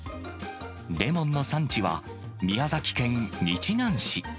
レモンの産地は、宮崎県日南市。